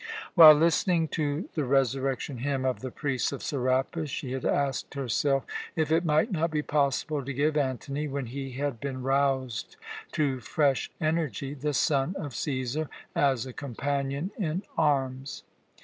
While listening to the resurrection hymn of the priests of Serapis, she had asked herself if it might not be possible to give Antony, when he had been roused to fresh energy, the son of Cæsar as a companion in arms.